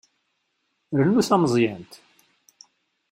Rnu tameẓyant.